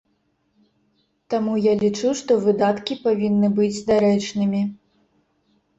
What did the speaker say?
Таму я лічу, што выдаткі павінны быць дарэчнымі.